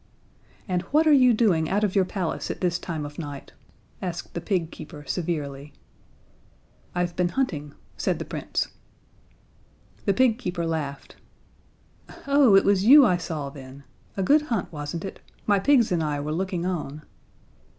"And what are you doing out of your palace at this time of night?" asked the pig keeper, severely. "I've been hunting," said the Prince. The pig keeper laughed. "Oh, it was you I saw, then? A good hunt, wasn't it? My pigs and I were looking on."